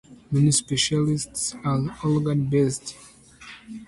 Many specialties are organ-based.